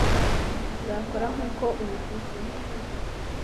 tuzakora nkuko ubivuze